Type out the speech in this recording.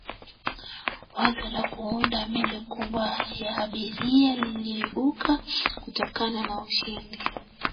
wazo la kuunda meli kubwa ya abiria liliibuka kutokana na ushindani